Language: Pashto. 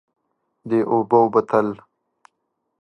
د اوبو بوتل،